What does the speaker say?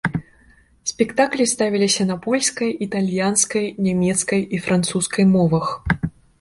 Спектаклі ставіліся на польскай, італьянскай, нямецкай і французскай мовах.